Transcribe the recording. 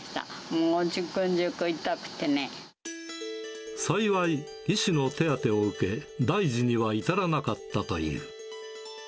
もう、幸い、医師の手当てを受け、大事には至らなかったという。